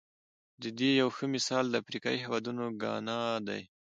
د دې یو ښه مثال افریقايي هېواد ګانا دی.